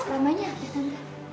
ramahnya api tante